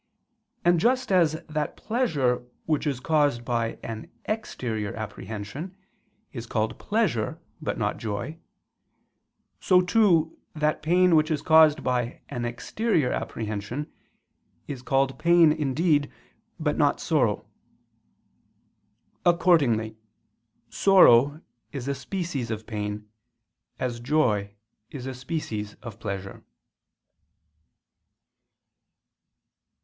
And just as that pleasure which is caused by an exterior apprehension, is called pleasure but not joy; so too that pain which is caused by an exterior apprehension, is called pain indeed but not sorrow. Accordingly sorrow is a species of pain, as joy is a species of pleasure.